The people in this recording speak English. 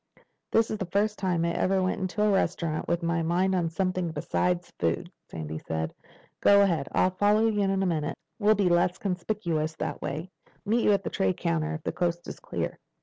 "This is the first time I ever went into a restaurant with my mind on something besides food," Sandy said. "Go ahead. I'll follow you in a minute. We'll be less conspicuous that way. Meet you at the tray counter if the coast is clear."